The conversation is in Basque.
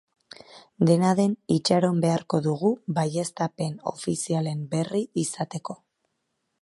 Dena den, itxaron beharko dugu baieztapen ofizialen berri izateko.